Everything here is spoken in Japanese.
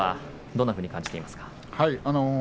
どんなふうに感じてますか。